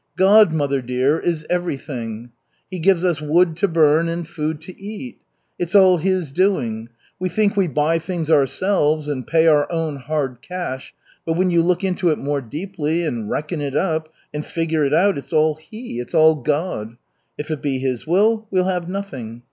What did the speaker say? God, mother dear, is everything. He gives us wood to burn and food to eat. It's all His doing. We think we buy things ourselves, and pay our own hard cash, but when you look into it more deeply, and reckon it up, and figure it out, it's all He, it's all God. If it be His will, we'll have nothing.